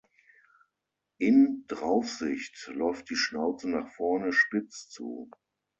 In Draufsicht läuft die Schnauze nach vorne spitz zu.